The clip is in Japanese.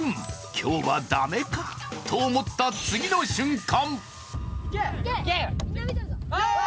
今日はだめかと思った次の瞬間